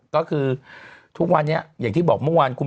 ก็คือทุกวันนี้อย่างที่บอกเมื่อวานคุณ